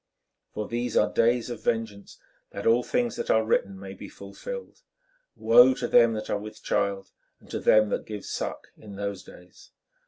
For these are days of vengeance, that all things that are written may be fulfilled. Woe to them that are with child and to them that give suck in those days!